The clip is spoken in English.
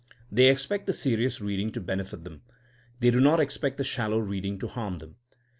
They expect the serious read ing to benefit them. They do not expect the shallow reading to harm them.